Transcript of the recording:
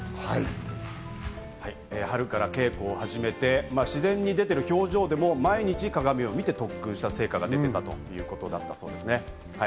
春から稽古を始めて自然に出ている表情でも毎日鏡を見て特訓した成果が出ていたということです。